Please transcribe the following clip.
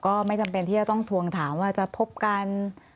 ก็ไม่จำเป็นที่จะต้องทวงถามว่าจะพบกัน